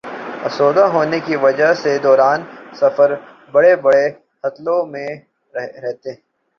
آسودہ ہونے کی وجہ سے دوران سفر بڑے بڑے ہوٹلوں میں رہتے